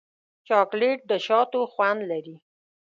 چاکلېټ د شاتو خوند لري.